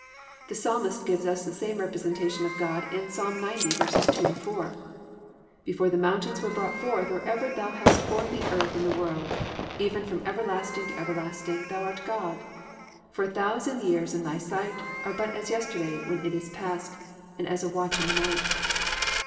"+ The Psalmist gives us the same representation of God in Ps. 90:2, 4: +"Before the mountains were brought forth, or ever thou hast formed the earth and the world, even from everlasting to everlasting thou art God. (4) For a thousand years in thy sight are but as yesterday when it is passed, and as a watch in the night."